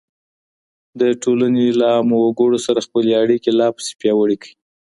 د ټولني له عامو وګړو سره خپلي اړيکې لا پسې پياوړې کړئ.